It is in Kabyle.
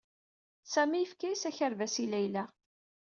Sami yefka-as akerbas i Layla.